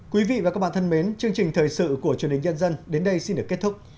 quý vị và các bạn thân mến chương trình thời sự của truyền hình nhân dân đến đây xin được kết thúc